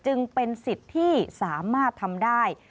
จึงเป็นสิทธิ์ที่สามารถทำได้